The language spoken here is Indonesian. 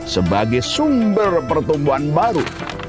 sebagai sumber pertumbuhan baru